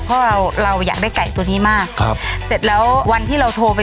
เพราะเราเราอยากได้ไก่ตัวนี้มากครับเสร็จแล้ววันที่เราโทรไป